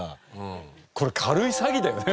これ軽い詐欺だよね